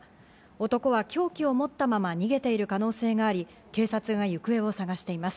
男は凶器を持ったまま逃げている可能性があり、警察が行方を捜しています。